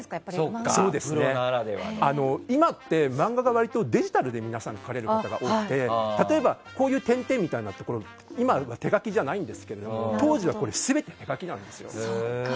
今って、漫画が割とデジタルで皆さん描かれる方が多くて例えばこういう点々みたいなところは今は手描きじゃないんですが当時は全て手描きなんですね。